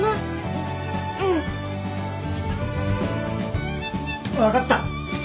ううん。分かった。